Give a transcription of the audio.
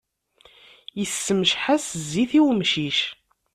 Issemceḥ-as zzit i wemcic.